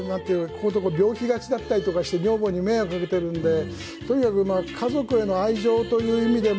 ここのとこ病気がちだったりとかして女房に迷惑かけてるのでとにかく家族への愛情という意味でもちゃんと健康に気を付けて。